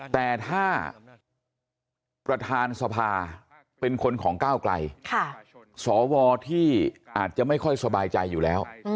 แต่ถ้าประธานสภาเป็นคนของก้าวไกลสวที่อาจจะไม่ค่อยสบายใจอยู่แล้ว